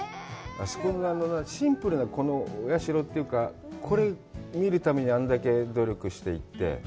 あそこのシンプルなお社というか、これを見るためにあれだけ努力して行って。